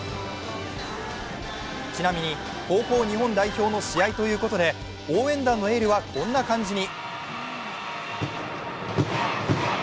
ちなみに高校日本代表の試合ということで応援団のエールは、こんな感じに。